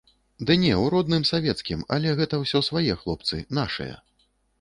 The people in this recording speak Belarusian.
Ды не, у родным савецкім, але гэта ўсё свае хлопцы, нашыя.